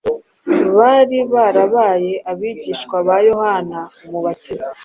bari barabaye abigishwa ba Yohana umubatiza